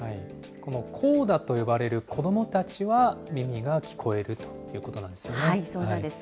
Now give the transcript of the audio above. このＣＯＤＡと呼ばれる子どもたちは、耳が聞こえるというこそうなんです。